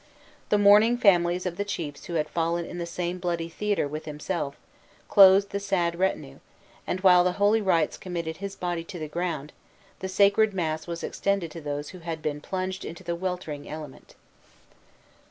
The mourning families of the chiefs who had fallen in the same bloody theater with himself, closed the sad retinue; and while the holy rites committed his body to the ground, the sacred mass was extended to those who had been plunged into the weltering element.